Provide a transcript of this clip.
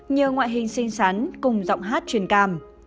nhờ ngoại hình xinh xắn cùng giọng hát truyền cảm